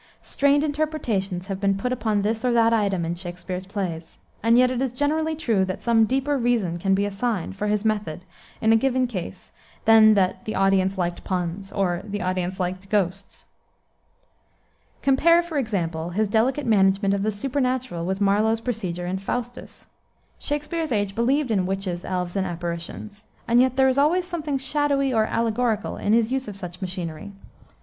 Strained interpretations have been put upon this or that item in Shakspere's plays; and yet it is generally true that some deeper reason can be assigned for his method in a given case than that "the audience liked puns," or, "the audience liked ghosts." Compare, for example, his delicate management of the supernatural with Marlowe's procedure in Faustus. Shakspere's age believed in witches, elves, and apparitions; and yet there is always something shadowy or allegorical in his use of such machinery.